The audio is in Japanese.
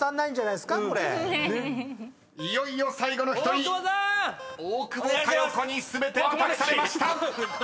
［いよいよ最後の１人大久保佳代子に全ては託されました！］